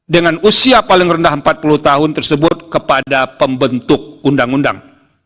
dengan usia paling rendah empat puluh tahun tersebut kepada pembentuk undang undang